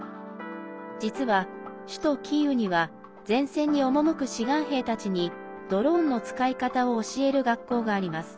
実は、首都キーウには前線に赴く志願兵たちにドローンの使い方を教える学校があります。